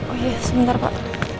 oh iya sebentar pak